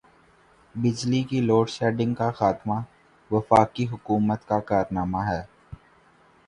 بجلی کی load shedding کا خاتمہ وفاقی حکومت کا کارنامہ ہے۔